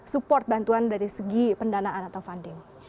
support bantuan dari segi pendanaan atau funding